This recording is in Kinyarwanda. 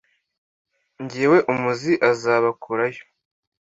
Jyewe umuzi azabakurayo